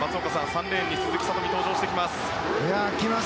３レーンに鈴木聡美が登場してきます。来ます。